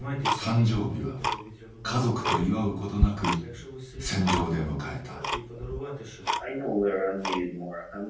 誕生日は家族と祝うことなく戦場で迎えた。